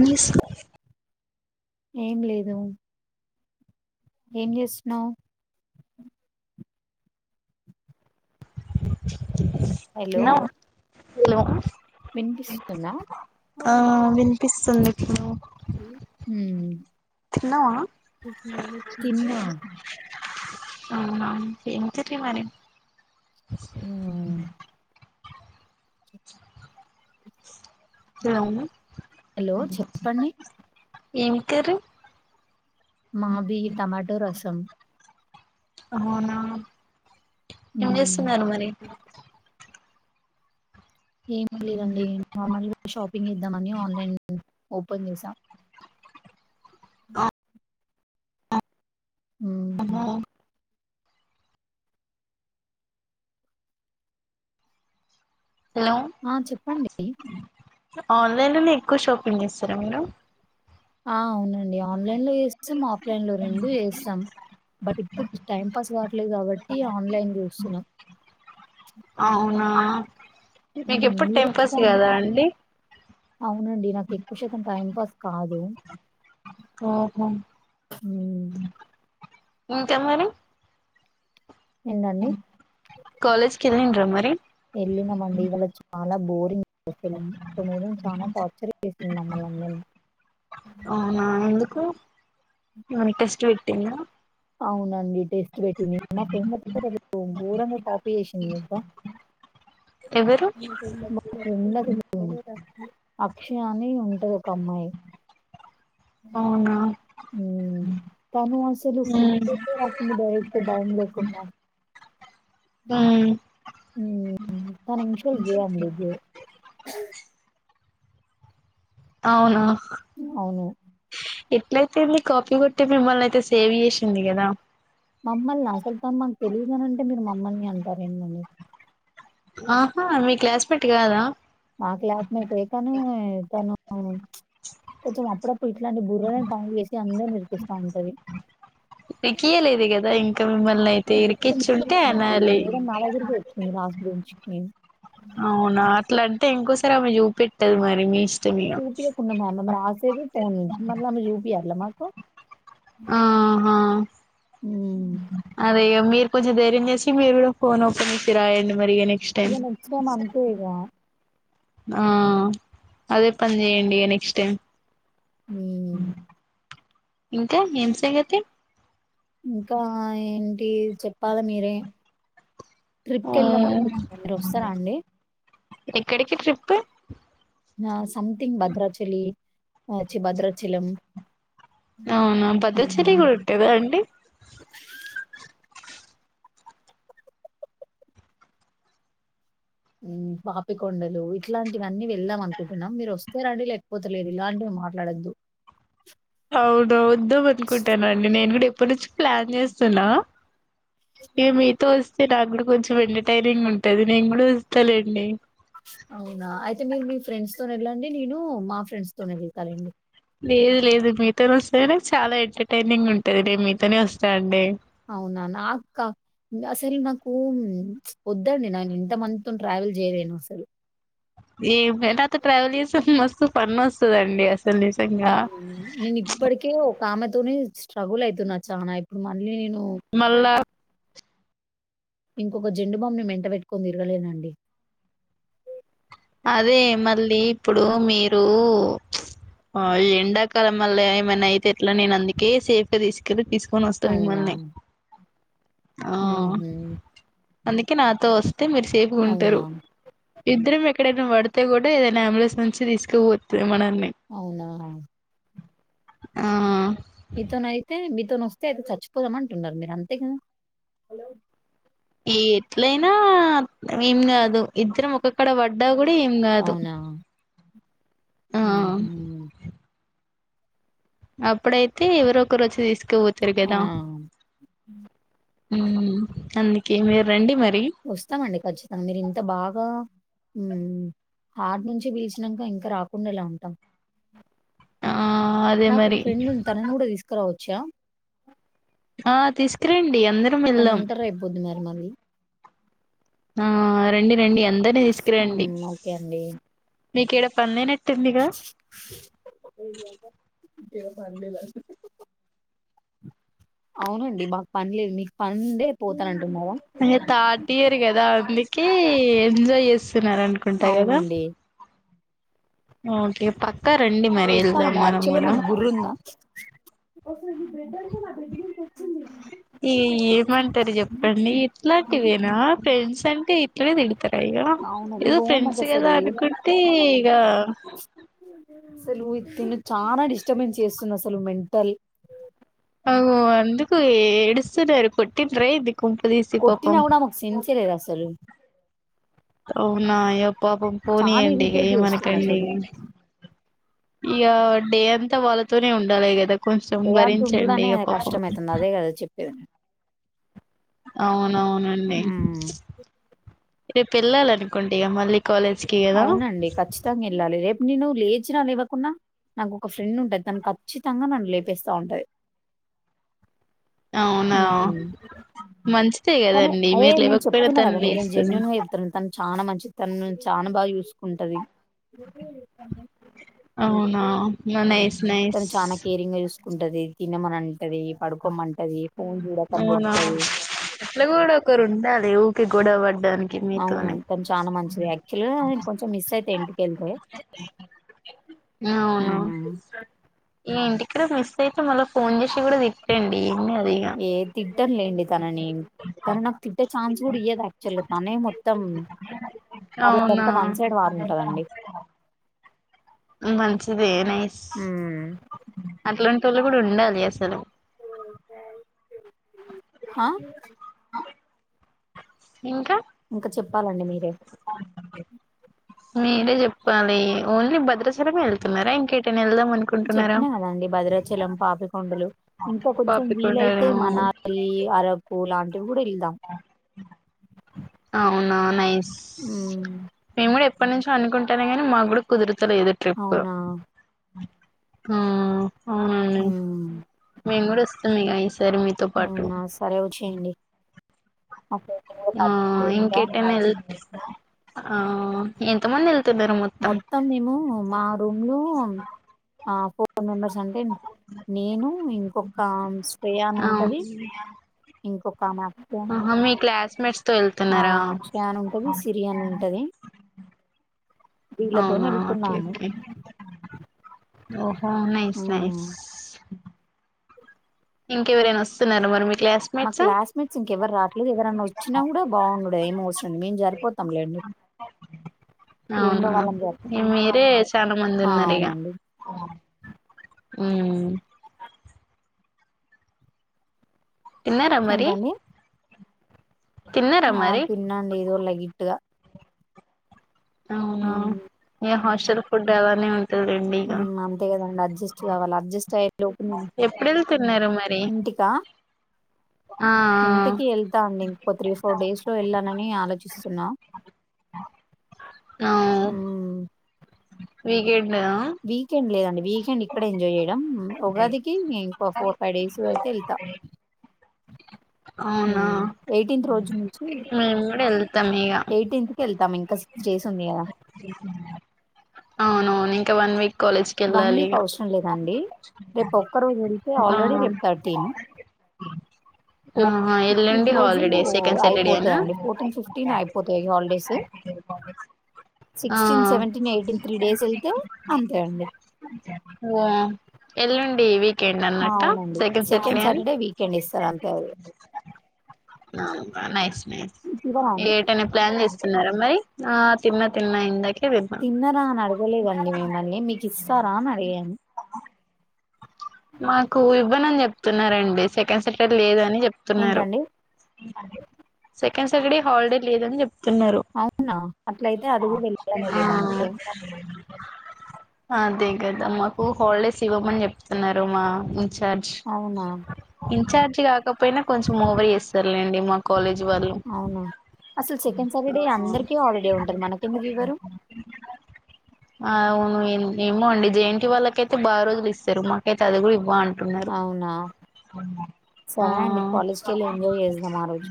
అస్ [unintelligible] ఏం లేదు ఏం చేస్తున్నావు హలో తిన్నావా హలో వినిపిస్తుందా ఆ వినిపిస్తుందిప్పుడు హ తిన్నవా తిన్నా ఆ ఎంత మరి [unintelligible] ఉమ్ [unintelligible] సరెనా హలో చెప్పండి ఏం కర్రి మావి టమాటో రసం అవునా ఏం ఉమ్ చేస్తున్నారు మరి ఏం లేదండి నార్మల్గా షాపింగ్ చేద్దామని ఆన్లైన్ లో ఓపన్ చేసా ఆ ఉమ్ అహా హలో ఆ చెప్పండి ఆన్లైన్ లోనే ఎక్కువ షాపింగ్ చేస్తారా మీరు ఆ అవును అండీ ఆన్లైన్ లో చేస్తాం ఆఫ్లైన్ లో రెండు చేస్తాం బట్ ఇప్పుడు టైం పాస్ కావలేదు కాబట్టి ఆన్లైన్ చూస్తున్నాం అవునా మీకు ఉమ్ ఎప్పుడు టైం ఉర్కే పాస్ అండీ కాదా అండి అవునండి నాకు ఎక్కువ శాతం టైం పాస్ కాదు ఓహో ఉమ్ ఇంకా మరి ఏంటండి కిల్న్రా మరి వెళ్ళినామండి ఇవాళ చాలా బోరింగ్స్తుందిద చాలా టార్చర్ చేసింది మమ్మ మనకెష్ట ఇ టెనా అవును నంద్ డి టెస్టి పెటింధి మా ఫ్రెండ్ తెలుసు కదా మీకు ఘోరంగా కాపీ చేసింది టెలుసా ఎవరు [unintelligible] అ క్ష అని ఉంటది ఒక అమ్మాయి అవునా ఉమ్ తను అసలు ఫ ఉమ్ అ బక్ బయం లేకుండా ఉమ్ ఉమ్ తన ఇనిషియల్ ఏ అండి ఏ అవునా అవును ఎట్లయితేంది కాఫ కొట్టటి మిమ్మల్ని అయితే సేవ్ చేసింది కదా తెలిగుండి ట మీరు మమ్మల్ని అండీ మరి ఆహా మీ క్లాస్ పెట్ కాదా ఆ క్లాక్మ కాని తాను కొంచెం అప్పుడప్పుడు ఇట్లాంటి బుర్రని పని చేసి అందరు ఇర్కిస్థా ఉంటది ఇరికియలేదు కదా ఇంకా మిమ్మల్ని అయితే జస్ట్ ఇరికిచ్చు మిస్టేక్ ఉంటే అనాలి గుంచకి అవునా అట్లంటే ఇంకో [unintelligible] మె చూప పెట్టదు మరి మీ ఇష్టం ఇగ చూపియకు కున్నామా [unintelligible] చెడిట్ ఆనియన్స్ మళ్ళఐన చూపియర్ల మాకు ఆహా ఉమ్. అదే మీరు కొంచెం ధైర్యం చేసి మీరు కూడా ఫోన్ ఓపెన్ చేసి రాయండి మరి ఇగ నెక్స్ట్ టైం ఇది నిచ్చన అంతే గా ఆ అదే పని చెయ్యడి నెక్స్ట్ టైం మ్మ్. ఉమ్మ్ ఇంకా ఏంది సంగతి ఇంకా ఏంటి చెప్పాలి మీరే ఓ ట్రిప్కి వెళ్దాం అనుకుంటున్నాం మీరు వస్తారా అండి ఎక్కడికి ట్రిప్ కి నా సంథింగ్ భద్రాచలి అ చి భద్రాచలం అవునా భద్రచలి మ్మ్. రోడ్డే గా అండి ఉం పాపికొండలు ఇట్లాంటివన్నీ వెళ్దాం అనుకుంటున్నాం మీరు వస్తే రండి లేకపోతేలేదు ఇలాంటివి మాట్లాడొద్దు అవున వద్దమానుకుఅంటూన్న అండి నేను కూడా ఇప్పుడు నుంచి ప్లాన్ చేస్తున్నా ఇగ మీతో వస్తే నా గూడ కొంచెం ఎంటర్టైనింగ్ ఉంటది నేను కూడా చూస్తాలేండి. అవునా అయితే మీరు మీ ఫ్రెండ్స్ తోనే వెళ్ళండి నేను మా ఫ్రెండ్స్ తోనే వెళ్తాలేండి. లేదు లేదు మీతోనే వస్తేనే చాలా ఎంటర్టైనింగ్ ఉంటది నేను మీతోనే వస్తా అండి. అవునా నాక్ అసలు నాకు వొద్దండి నేను ఇంతమందితో ట్రావెల్ చేయలేను అసలు ఏమి నాతో ట్రావెల్ చేస్తే మస్తు ఫన్ వస్తుందండి అసల్ నిజంగా అవును. నేను ఇప్పటికే ఒక ఆమెతోనే స్ట్రగుల్ అయితున్నా చానా ఇప్పుడు మళ్ళీ నేను మళ్ళ ఇంకొక జెండు బామ్ని మెంట పెట్టుకొని తిరగలేనండి అదే మళ్ళీ ఇప్పుడు మీరు ఆ ఎండాకాలం మళ్ళ ఏమైనా అయితే ఎట్లా నేను అందుకే సేఫ్ గా తీసుకెళ్ళి తీసుకు ఫోన్ వస్తే మిమ్మల్ని ఆ ఊహుం అందుకే నాతో వస్ అయితే మీరు సేఫ్గా ఉంటరు ఇద్దరం ఏ ఎక్కడైనా పడితే కూడా ఏదైనా అంబులెన్స్ నుంచి తీసుకుపోతుంది మనం అవునా ఆహు మీతోనీ అయితే మీతోనీ వస్తే అయితే చచ్చిపోదామ అంటున్నారు మీరంతే కదా ఏ ఎట్లయినా ఏం కాదు ఇద్దరం ఒకక్కడ పడ్డా కూడా ఏం కాదు అవునా? ఆ హుహు. అప్పుడైతే ఎవరో ఒకరు వచ్చి తీసుకు ఆ! పోతరుకదా అంది కేమి రండి మరి వస్తామండి ఖచ్చితంగా మీరు ఇంత బాగా ఉ ఆటి నుంచి పీలిచినాక ఇంకా రాకుండా ఎ లా ఉంటాం ఆ అదే నాకు ఒక మరి ఫ్రెండ్ ఉంది తననీ కూడా తీసుకురావ చ్చ ఆ తీసుకురండి అందరం తను వెళ్దాం ఉంటారు రేపు పొద్దు మరి మళ్ళీ ఆ రండి రండి అం ఉమ్ ఓకే అండి మీకిడే పందేనే [inaudible] అవునండి మాకు పని లేదు మీకు పని పోతానంటడి అ తార్టియరు కదా అందుకి ఏ ఎంజాయ్ చేసి స్తున్నార అనుకుంటా కదా అవునండి ఓకే పక్కా రండి మరి వెళ్దాం వస్తామండి మనం కూడా ఓకే నీ బ్రెడ్ అంతా బెడ్ మీద ఈ ఏమంటారు సంక ఇట్లే విదీడి తగయ్యా అవును ఇక ఏదో ఇగో నాకు ఫ్రెండ్స్ కదా అసలు ఏ- అనుకుంటే ఇగా అసలు ఇది తిను చాలా డిస్టర్బెన్స్ చేస్తుంది అసలు మెంటల్ అవు అందుకు ఏడుస్తున్నార్ కొటింద్రే ఏందీ కొట్టిన కూడా ఆమెకు సెన్స్ లేదు అసలు అవునా అయ్యా పాపం చాలా పోనీయండి ఇరిటేట్ చేస్తుంది ఏమనకండి అసలు ఇగ డే అంతా వాళ్ళతోనే ఉండాలి కదా కొంచెం ప్రయాంత భరించండి ఉండదనే ఇగ పాపం కష్టమైతుంది అదే కదా చెప్పేదినేను ఔనవునండి. ఉమ్. రేపెళ్ళాలనుకుండిగ మళ్ళీ. కాలేజ్కి కదా ఔనండి ఖచ్చితంగెళ్ళాలి రేప్ నేను లేచినా లేవకున్నా నాకు ఒక ఫ్రెండ్ ఉంటది తను కప్చితంగా నన్ను లేపేస్తా ఉంటది. ఔనా మంచి. కాని అయే నేన్ చెప్తున్న కదా నిజం లేస్తది జెన్యూన్ గా చెప్తున్నా తన్. చానా మంచిద్ తన్ నన్ చానా బాగ్ చూస్కుంటది. ఔనా. మ నైస్ నైస్ కుంటది తినమనంటది పడుకోమ్మంటది. అవునా ఇట్లగూడొకరుండాలి వు. తె గొడవడ్ ఔను తను చానా మంచిది యాక్చువల్గా నేన్ కొంచెం మిస్సైతా ఇంటికెళ్తే. ప్రెమిస్తే ట్ మళ్ళ ఫోన్ జేషి గూడా తిట్టండి ఏంగాదిగ. తిట్టన్ లేండి తనని తను నాకు తిట్టే ఛాన్స్ కూడియ్యదు యాక్చువల్ తనే మొత్తం [unintelligible] అవునా అంత వన్ సైడ్ వారుంటుందండి. ఉమ్ మంచిది నైస్. మ్మ్ ఇట్లాంటోళ్ళు గూడుండాలి అసలు. హ ఇంక ప్పాలండి మీరే. మీరే జెప్పాలి ఓన్లీ భద్రాచలమే యెళ్తున్నారా ఇంకె. చెప్పినా గదండి భద్రాచలం పాపికొండలు. ఇంకా కొంచెం వీలైతే పాపికొండలు మనాలి అరబ్బు బోలాంటివ్ ఔనా నైస్ మ్మ్ మేమ్ గూడె ఎప్పట్ నుంచో అనుకుంటేనే మాగ్గూడ కుదురు. తలేదు ట్రిప్ప్ అవునా అ ఔన్ లేండి మ్మ్ మేమ్ గూడొ. ఉంది గైస్. తర్ మీతోపాటు. అవునా సరే వచ్చేయండి మా ఫ్రెండ్ ని కూడా ఆ పరిచయం చేస్తా ఇంకే టైనా వెల్ ఆ ఎంత ముందల్ మొత్తం మేము మా రూమ్ లో ఆ ఫో ఫో మెంబర్స్ అంటడి. నేను ఇంకొక శ్రేయాని ఉంటది. ఇంకొక ఆమె అక్షయ హ మీ క్లాస్ మె ఆ ఆఫయాన్ ఉంటది. సిరి అని ఉంటది. వీళ్ళతోనే అవునా ఓకే వెళ్తున్నాము ఓకే ఓహో నైస్ మ్మ్ నైస్ ఇంకెవరైనా వస్తున్నార మరి మీరు మా క్లాస్మేట్స్ ఇంకెవరు రావట్లేదు. ఎవరన్నా వచ్చినా కూడా బాగుండడు ఏమ అవసరండి మేం సరిపోతాంలేండి. రూమ్ లో అవునా వాళ్ళం జ ఇక మీరే చాలా మంది ఆ ఉన్నారు ఇక అవునండి ఉమ్. తిన్నార మరి ఏంటండి తిన్నారా ఆ మరి తిన్న అండి ఎదో లై గిట్టుగా అవునా ఏ హాస్టల్ చిరు ఫుడ్ ఎవనే ఉంట ఊ అంతే కదండి అడ్జస్ట్ కావాలి. అడ్జస్ట్ అయి ఎప్పుడు వెళుతున్నారు మరి ఇంటికా ఆ ఇంటికి వెళ్తాండి ఇంకో త్రీ ఫోర్ డేస్ లో వెళ్ళాలని ఆలోచిస్తున్నా. ఆ అవు ఊ వీకెండ్ వీకెండ్ లేదండి వీకెండ్ ఇక్కడ ఎంజాయ్ చేయడం. ఉగాదికి ఫోర్ ఫైవ్ డేస్ అయితే వెళ్తా. అవునా ఎయిటీన్త్ రోజు నుంచి ఊ వెళ్తాం ఇక. ఎయిటీన్త్ కి వెళ్తాం ఇంకా సిక్స్ డేస్ ఉంది కదా. అవునువును ఇంకా వన్ వీక్ కాలేజ్ కి వన్ వెళ్ళాలి వీక్ ఇగ అవసరం లేదండి. రేపు ఒక్క రోజు వెళ్తే ఆ ఆల్రెడీ రేపు థర్టీన్, ఫోర్ ఆహా ఎల్లుండి ఫిఫ్టీన్త్ రోజు హాలిడే సెకండ్ సాటర్డేనా అయిపోతాయండి. ఫోర్టీన్ ఫిఫ్టీన్ అయిపోతాయి ఇగ హాలిడేస్. ఆ sixteen, seventeen, eighteen three days వెళ్తే అంతేండి. ఓ ఎల్లుండి వీకెండ్ ఆ అవునండి సెకండ్ సాటర్డే వీకెండ్ ఇస్తారు అంతే ఎవరు. న న నె తినరా అండి ఏటన ప్లాన్ చేసి తిన్నారా మరి ఆ తిన్న తిన్న ఇందాకే తిన్నా తిన్నరా అని అడగలేదండి మిమ్మల్ని మీకు ఇస్తారా అని అడిగాను మాకు ఇవ్వనని చెప్తున్నారండి సెకండ్ సాటర్డే లేదని చెప్తున్నారు ఏంటండి సెకండ్ సాటర్డే హాలిడే లేదని చెప్ప అవునా అట్లయితే అది కూడా వెళ్ళాను ఆ లేండి నీతో అదే కదా మాకు హాలిడేస్ ఇవ్వమని చెప్తున్నారు స్తున్నారు మా ఇన్ చార్జ్ అవునా ఇన్చార్జ్ చ్చి కాకపోయినా కొంచెం ఓవర్ చేస్తారు లేండి మా కాలేజ్ వాళ్ళు అవునా అసలు సెకండ్ సాటర్డే అందరికి హాలిడే ఉంటది మనకెందుకు ఇవ్వరు ఆ అవును ఏమో అండి జయంతి వాళ్ళకైతే బాగా రోజులు ఇస్తారు మా [unintelligible] అవునా సరే అండి ఆ కాలేజ్ కి వెళ్ళి ఎంజాయ్ చేద్దాం ఆ రోజు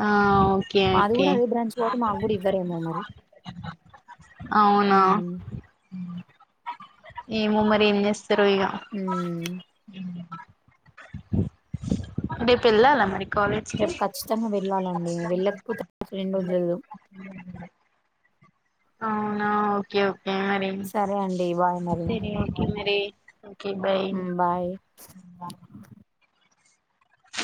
ఆ ఓకే మాది ఓకే కూడా అదే బ్రాంచ్ కాబట్టి మాకు కూడా ఇవ్వరేమో మరి అవునా ఉమ్ ఏమో మరి ఏం జేస్తారో ఇగా ఉమ్. రేపు ఎల్లాల మరి కాలేజ్ కి రేపు ఖచ్చితంగా వెళ్ళాలండి వెళ్ళకపోతే నా రెండు [unintelligible] అవునా ఓకే ఓ హు మరి సరే అండి బాయ్ [unintelligible] మరి ఓకే మరి ఓ ఒకే బై ఉమ్, బాయ్